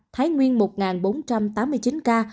thái nguyên một bốn trăm tám mươi chín ca